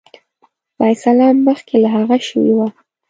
فیصله مخکي له هغه شوې وه.